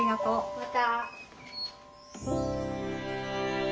また。